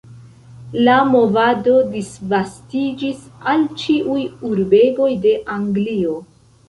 La movado disvastiĝis al ĉiuj urbegoj de Anglio.